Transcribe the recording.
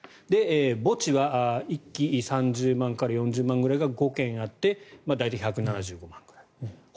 墓地は１基３０万円から４００万円ぐらいが５軒あって大体１７５万くらい。